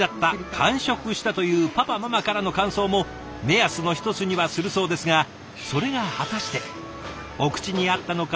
「完食した！」というパパママからの感想も目安の１つにはするそうですがそれが果たしてお口に合ったのか？